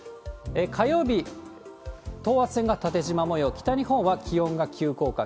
火曜日、等圧線が縦じま模様、北日本は気温が急降下。